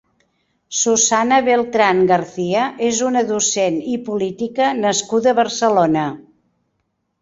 Susana Beltrán García és una docent i política nascuda a Barcelona.